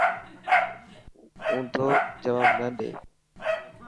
اونڌو جواب نه ڏي.